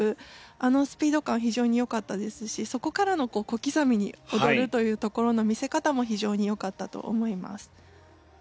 あのスピード感は非常に良かったですしそこからの小刻みに踊るというところの見せ方も非常に良かったと思います。